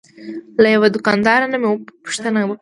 له یوه دوکاندار نه مې پوښتنه وکړه.